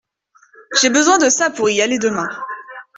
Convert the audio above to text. J’ai besoin de ça pour y aller demain.